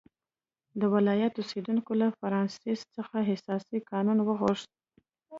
د ولایت اوسېدونکو له فرانسیس څخه اساسي قانون وغوښت.